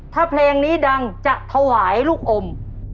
ถ้าเพลงนี้ดังจะถวายลูกอม